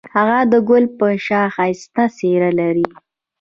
هغه د ګل په شان ښایسته څېره لري.